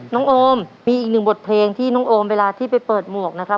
น้องโอมมีอีกหนึ่งบทเพลงที่น้องโอมเวลาที่ไปเปิดหมวกนะครับ